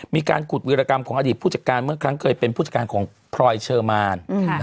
มีการขุดวิรกรรมของอดีตผู้จัดการเมื่อครั้งเคยเป็นผู้จัดการของพลอยเชอร์มาน